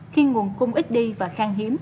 khi nguồn cung ít đi và khang hiếm